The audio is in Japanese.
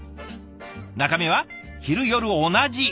中身は昼夜同じ。